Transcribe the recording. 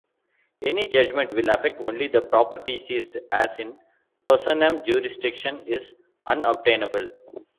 Any judgment will affect only the property seized, as "in personam" jurisdiction is unobtainable.